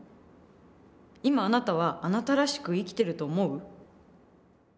今あなたはあなたらしく生きてると思う？